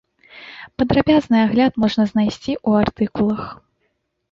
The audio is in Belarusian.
Падрабязны агляд можна знайсці ў артыкулах.